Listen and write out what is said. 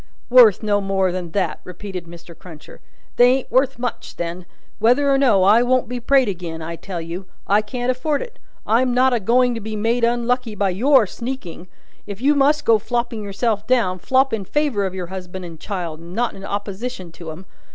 "Worth no more than that," repeated Mr. Cruncher. "They ain't worth much, then. Whether or no, I won't be prayed agin, I tell you. I can't afford it. I'm not a going to be made unlucky by your sneaking. If you must go flopping yourself down, flop in favour of your husband and child, and not in opposition to 'em.